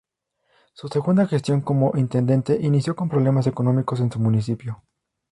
Su segunda gestión como intendente inició con problemas económicos en su municipio.